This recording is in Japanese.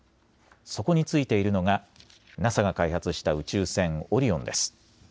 そこに付いているのがＮＡＳＡが開発した宇宙船、オリオンです。